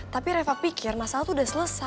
tapi reva pikir masalah tuh udah selesai